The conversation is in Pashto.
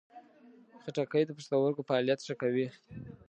خټکی د پښتورګو فعالیت ښه کوي.